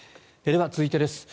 では、続いてです。